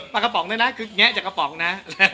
ปลากระป๋องด้วยนะคือแงะจากกระป๋องนะ